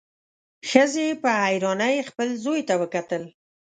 ښځې په حيرانۍ خپل زوی ته وکتل.